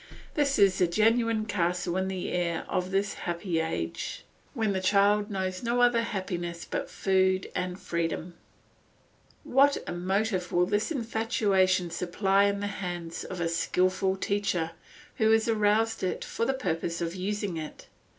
This is the genuine castle in the air of this happy age, when the child knows no other happiness but food and freedom. What a motive will this infatuation supply in the hands of a skilful teacher who has aroused it for the purpose of using it.